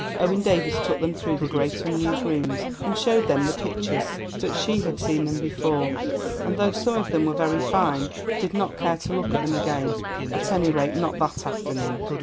Owen Davies took them through the great unused rooms and showed them the pictures, but she had seen them before, and though some of them were very fine, did not care to look at them again—at any rate, not that afternoon.